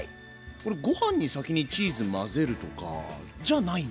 これご飯に先にチーズ混ぜるとかじゃないんだ。